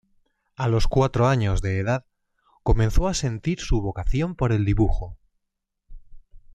A los cuatro años de edad comenzó a sentir su vocación por el dibujo.